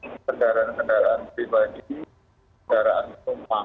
kendaraan kendaraan pribadi kendaraan penumpang